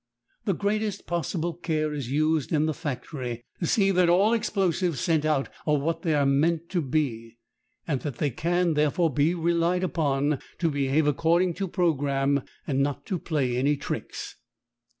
The greatest possible care is used in the factory to see that all explosives sent out are what they are meant to be, and that they can therefore be relied upon to behave according to programme and not to play any tricks.